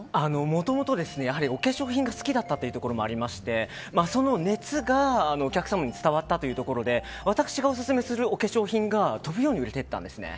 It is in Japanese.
もともとお化粧品が好きだったというところもありましてその熱がお客様に伝わったというところで私がオススメするお化粧品が飛ぶように売れていったんですね。